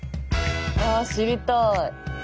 あ知りたい！